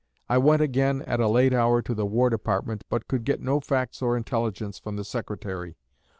I went again, at a late hour, to the War Department, but could get no facts or intelligence from the Secretary.